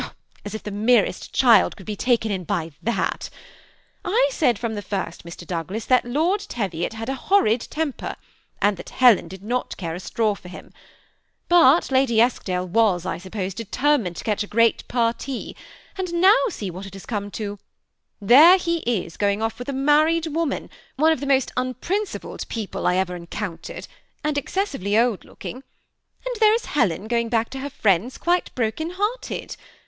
^ As if the merest child could be taken in bj that ! I said from the first, Mr. Douglas, that Lord Teviot had^a horrid temper, and that Helen did not care a straw for him ; but Lady Eskdale was, I suppose, de termined to catch a great parity and now see what it has come to I There is he going off with a married woman, one of the most unprincipled people I ever encountered, and excessively old looking ; and there is Helen going bade to her friends, quite broken hearted.